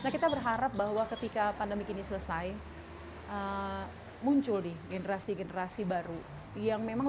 kita berharap bahwa ketika pandemi ini selesai muncul di generasi generasi baru yang memang